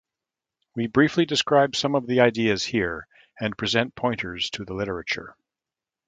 We briefly describe some of the ideas here, and present pointers to the literature.